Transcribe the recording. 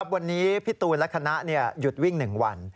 วันนี้พี่ตูนและคณะหยุดวิ่ง๑วัน